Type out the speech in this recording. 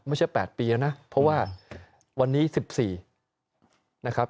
ไม่ใช่แปดปีแล้วนะเพราะว่าวันนี้สิบสี่นะครับ